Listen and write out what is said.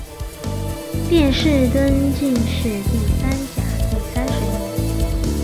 殿试登进士第三甲第三十名。